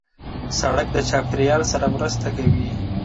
سړک د چاپېریال سره مرسته کوي.